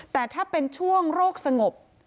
แต่ถ้าเป็นช่วงโรคสงบ